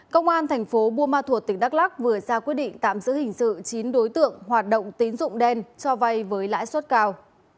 công an thành phố buôn ma thuột tỉnh đắk lắc vừa ra quyết định tạm giữ hình sự chín đối tượng hoạt động tín dụng đen cho vay với lãi suất cao